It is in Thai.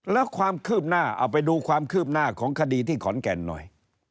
แล้วความคืบหน้าเอาไปดูความคืบหน้าของคดีที่ขอนแก่นหน่อย